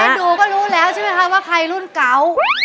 ถ้าดูก็รู้แล้วใช่ไหมคะว่าใครรุ่นเก่า